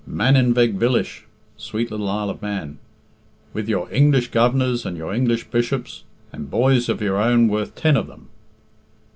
"Mannin veg villish (sweet little Isle of Man), with your English Governors and your English Bishops, and boys of your own worth ten of them.